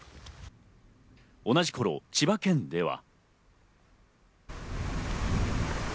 同じ頃、千葉県では。